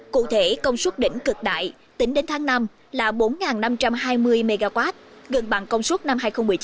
cụ thể công suất đỉnh cực đại tính đến tháng năm là bốn năm trăm hai mươi mw gần bằng công suất năm hai nghìn một mươi chín